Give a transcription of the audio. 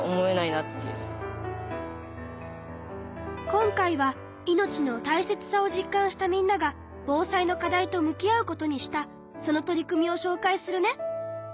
今回は命の大切さを実感したみんなが防災の課題と向き合うことにしたその取り組みをしょうかいするね。